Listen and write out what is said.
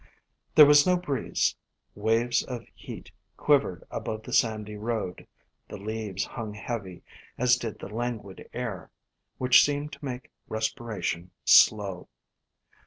There was no breeze; waves of heat quivered above the sandy road; the leaves hung heavy, as did the languid air, which seemed to make respira tion slow.